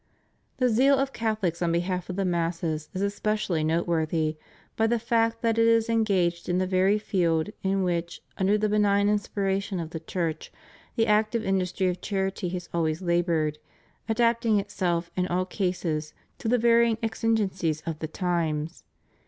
The zeal of Catholics on behalf of the masses is especially noteworthy by the fact that it is engaged in the very field in which, under the benign inspiration of the Church, the active industry of charity has always labored, adapting itself in all cases to the varying exigencies of the times.